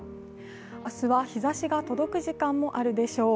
明日は日ざしが届く時間もあるでしょう。